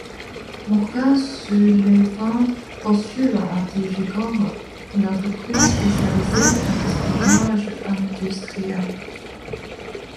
Morgan Sullivan postule à Digicorp, une entreprise spécialisée dans l'espionnage industriel.